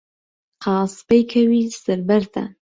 قاسپەی کەوی سەر بەردان